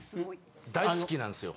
大好きなんですよ